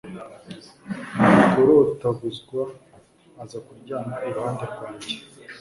ndikurotaguzwa aza kuryama iruhande rwanjye